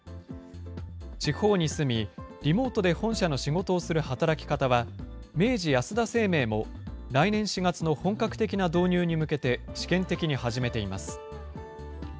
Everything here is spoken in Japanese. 地方に住み、リモートで本社の仕事をする働き方は、明治安田生命も、来年４月の本格的な導入に向けて試験的に始めています。